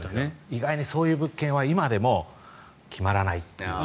意外にそういう物件は今でも決まらない。